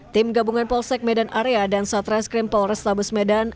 tim gabungan polsek medan area dan satra skrim polrestabus medan